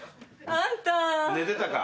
寝てたか？